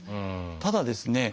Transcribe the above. ただですね